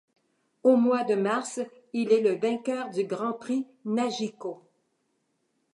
Au mois de mars, il est le vainqueur du Grand Prix Nagico.